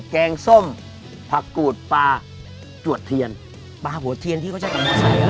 แกงส้มผักกูดปลาจวดเทียนปลาหัวเทียนที่เขาใช้กับหัวเทียน